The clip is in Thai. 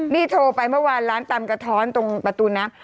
นี่โทรไปเมื่อวานร้านตำกระท้อนตรงประตูน้ำ